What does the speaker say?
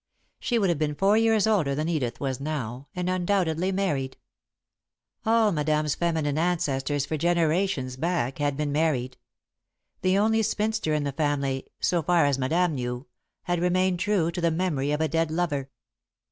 She would have been four years older than Edith was now, and, undoubtedly, married. All Madame's feminine ancestors for generations back had been married. The only spinster in the family, so far as Madame knew, had remained true to the memory of a dead lover.